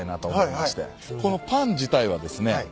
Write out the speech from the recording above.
このパン自体はですね